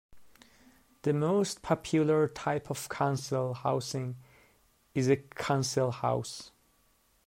The most popular type of council housing is a council house